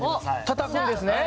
たたくんですね。